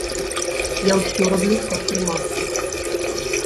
Я ўсё раблю, каб трымацца.